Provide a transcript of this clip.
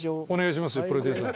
プロデューサー。